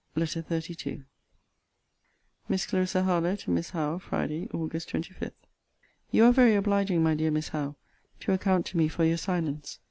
LETTER XXXII MISS CLARISSA HARLOWE, TO MISS HOWE FRIDAY, AUG. 25. You are very obliging, my dear Miss Howe, to account to me for your silence.